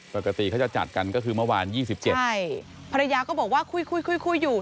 ปกติเขาจะจัดกันก็คือเมื่อวาน๒๗ใช่ภรรยาก็บอกว่าคุยคุยคุยอยู่